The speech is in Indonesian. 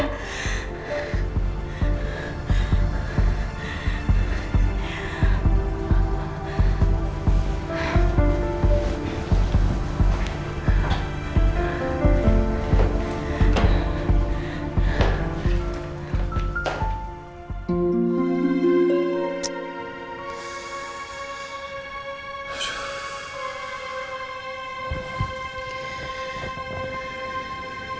tidak ada apa apa